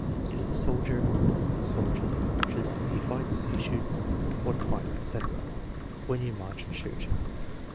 "It is a soldier." "A soldier that marches." "He fights." "He shoots." "What fights," etc. "When you march and shoot."